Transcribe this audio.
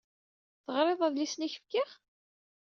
Teɣriḍ adlis-nni i k-d-fkiɣ?